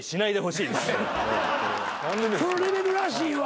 そのレベルらしいわ。